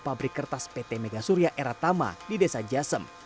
pabrik kertas pt megasuria eratama di desa jasem